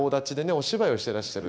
お芝居をしてらっしゃる。